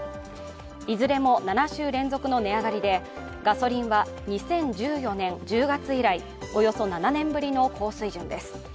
いずれも７週連続の値上がりでガソリンは２０１４年１０月以来およそ７年ぶりの高水準です。